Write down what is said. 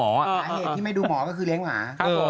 สาเหตุที่ไม่ดูหมอก็คือเลี้ยงหมา